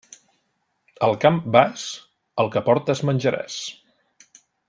Al camp vas, el que portes menjaràs.